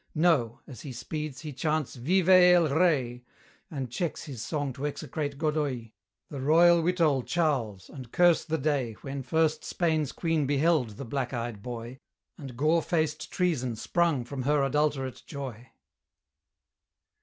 No! as he speeds, he chants 'Viva el Rey!' And checks his song to execrate Godoy, The royal wittol Charles, and curse the day When first Spain's queen beheld the black eyed boy, And gore faced Treason sprung from her adulterate joy.